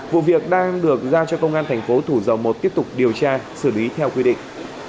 vụ việc đang được giao cho công an thành phố thủ dầu một tiếp tục điều tra xử lý theo quy định